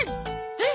えっ！